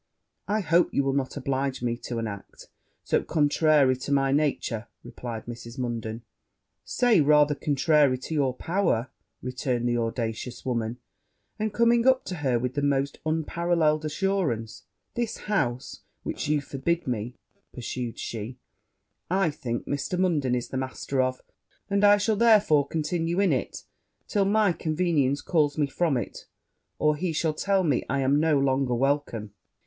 'I hope you will not oblige me to an act so contrary to my nature,' replied Mrs. Munden. 'Say, rather, contrary to your power,' returned that audacious woman; and, coming up to her with the most unparalleled assurance, 'This house, which you forbid me,' pursued she, 'I think Mr. Munden is the master of; and I shall, therefore, continue in it till my convenience calls me from it, or he shall tell me I am no longer welcome!'